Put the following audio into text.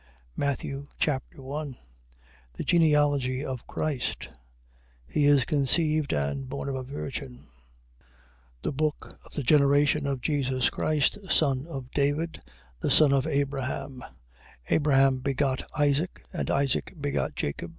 Matthew Chapter 1 The genealogy of Christ: he is conceived and born of a virgin. 1:1. The book of the generation of Jesus Christ, the son of David, the son of Abraham: 1:2. Abraham begot Isaac. And Isaac begot Jacob.